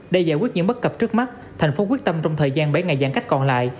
để giải quyết những bất cập trước mắt thành phố quyết tâm trong thời gian bảy ngày giãn cách còn lại